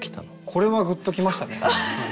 これはグッときましたね。